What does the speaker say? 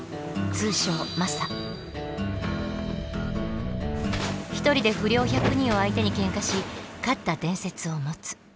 通称１人で不良１００人を相手にケンカし勝った伝説を持つ。